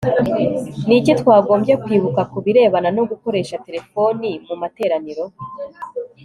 ni iki twagombye kwibuka ku birebana no gukoresha telefoni mu materaniro